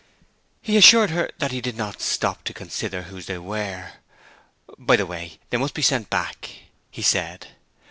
He assured her that he did not stop to consider whose they were. 'By the way, they must be sent back,' he said.